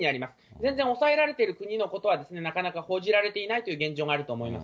全然抑えられてる国のことはなかなか報じられていないという現状